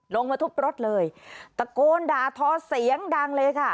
ลงมาทุบรถเลยตะโกนด่าทอเสียงดังเลยค่ะ